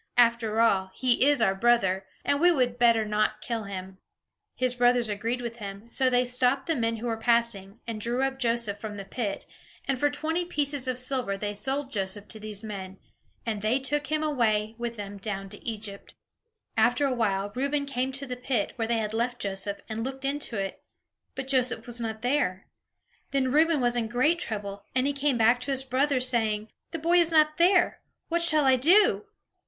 After all, he is our brother, and we would better not kill him." His brothers agreed with him; so they stopped the men who were passing, and drew up Joseph from the pit, and for twenty pieces of silver they sold Joseph to these men; and they took him away with them down to Egypt. After a while, Reuben came to the pit, where they had left Joseph, and looked into it; but Joseph was not there. Then Reuben was in great trouble; and he came back to his brothers, saying: "The boy is not there! What shall I do!"